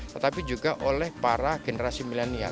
tetapi juga oleh para generasi milenial